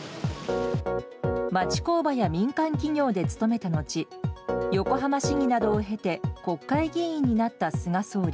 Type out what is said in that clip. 町工場や民間企業で勤めたのち、横浜市議などを経て、国会議員になった菅総理。